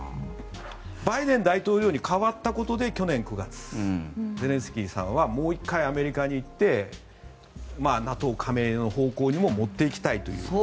バイデン大統領に代わったことで去年９月ゼレンスキーさんはもう１回アメリカに行ってＮＡＴＯ加盟の方向にも持っていきたいという。